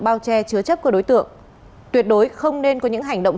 bao che chứa chấp các đối tượng tuyệt đối không nên có những hành động